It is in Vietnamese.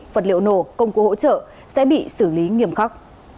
vật liệu nổ công cụ hỗ trợ sẽ bị xử lý nghiêm khắc